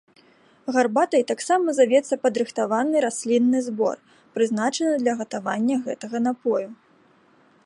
Гарбатай таксама завецца падрыхтаваны раслінны збор, прызначаны для гатавання гэтага напою.